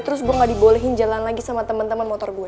terus gue gak dibolehin jalan lagi sama teman teman motor gue